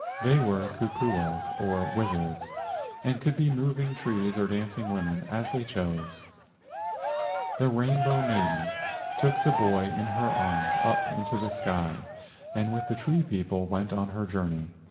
They were kupuas, 126 LEGENDS OF GHOSTS or wizards, and could be moving trees or dancing women as they chose. The Rainbow Maiden took the boy in her arms up into the sky, and with the tree people went on her journey.